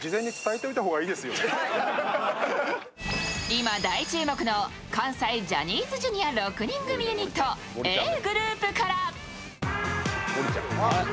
今、大注目の関西ジャニーズＪｒ．６人組ユニット、Ａぇ！